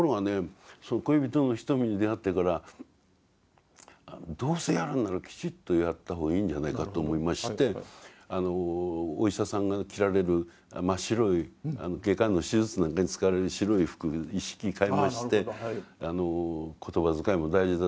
その恋人の瞳に出会ってからどうせやるんならきちっとやった方がいいんじゃないかと思いましてお医者さんが着られる真っ白い外科の手術なんかに使われる白い服一式買いまして言葉遣いも大事だ